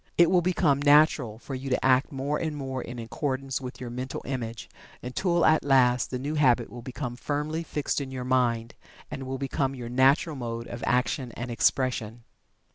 It will become "natural" for you to act more and more in accordance with your mental image, until at last the new habit will become firmly fixed in your mind, and will become your natural mode of action and expression.